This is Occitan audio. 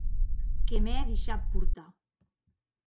Que m'è deishat portar!